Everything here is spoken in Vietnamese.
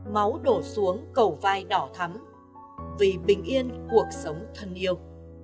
máu đổ xuống cầu vai đỏ thắm vì bình yên cuộc sống thân yêu